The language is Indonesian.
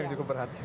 yang cukup berat